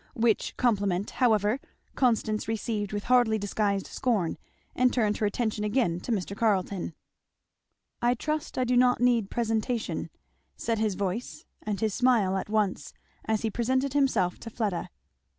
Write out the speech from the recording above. Which compliment, however, Constance received with hardly disguised scorn, and turned her attention again to Mr. Carleton. "I trust I do not need presentation," said his voice and his smile at once, as he presented himself to Fleda.